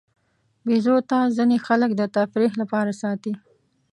بیزو ته ځینې خلک د تفریح لپاره ساتي.